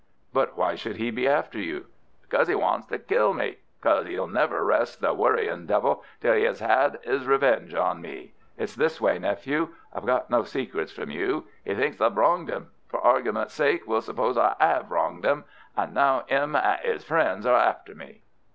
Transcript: "But why should he be after you?" "Because 'e wants to kill me. Because 'e'll never rest, the worrying devil, until 'e 'as 'ad 'is revenge on me. It's this way, nephew! I've no secrets from you. 'e thinks I've wronged 'im. For argument's sake we'll suppose I 'ave wronged 'im. And now 'im and 'is friends are after me."